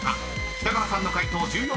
［北川さんの解答１４％。